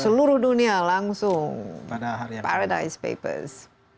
seluruh dunia langsung paradise papers